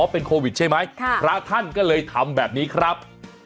เป็นโควิดใช่ไหมพระท่านก็เลยทำแบบนี้ครับ